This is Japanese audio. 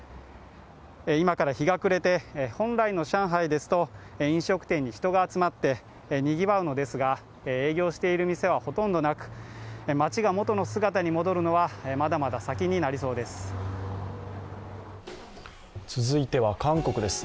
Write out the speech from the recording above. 今から日が暮れて本来の上海ですと飲食店に人が集まってにぎわうのですが、営業している店はほとんどなく街が元の姿に戻るのはまだまだ先になりそうです。